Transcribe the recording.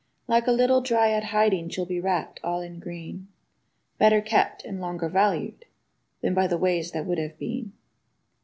Like a little dryad hiding she'll be wrapped all in green, Better kept and longer valued than by ways that would have been.